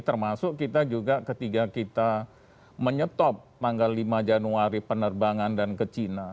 termasuk kita juga ketika kita menyetop tanggal lima januari penerbangan dan ke cina